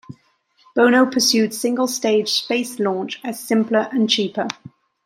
Bono pursued single-stage space launch as simpler and cheaper.